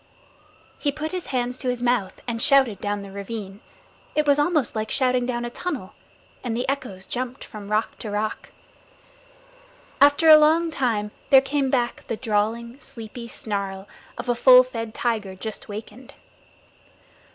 He put his hands to his mouth and shouted down the ravine it was almost like shouting down a tunnel and the echoes jumped from rock to rock. After a long time there came back the drawling, sleepy snarl of a full fed tiger just wakened.